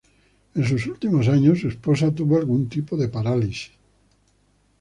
En sus últimos años su esposa tuvo algún tipo de parálisis.